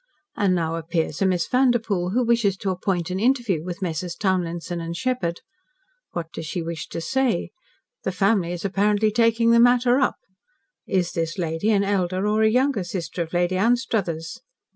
And now appears a Miss Vanderpoel, who wishes to appoint an interview with Messrs. Townlinson & Sheppard. What does she wish to say? The family is apparently taking the matter up. Is this lady an elder or a younger sister of Lady Anstruthers?